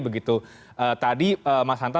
begitu tadi mas hanta